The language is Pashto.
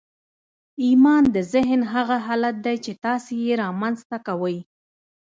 ايمان د ذهن هغه حالت دی چې تاسې يې رامنځته کوئ.